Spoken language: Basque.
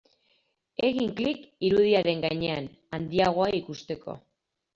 Egin klik irudiaren gainean handiagoa ikusteko.